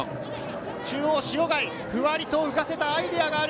中央、塩貝、ふわりと浮かせたアイデアがある。